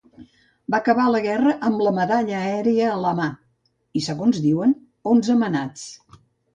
Va acabar la guerra amb la medalla aèria a la mà i, segons diuen, onze manats.